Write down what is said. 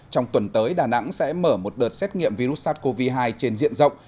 trong tuần tới đà nẵng sẽ mở một đợt xét nghiệm virus sars cov hai trên diện rộng